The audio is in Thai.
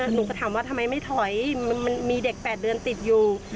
หนูก็ถามว่าทำไมไม่ถอยมันมีเด็ก๘เดือนติดอยู่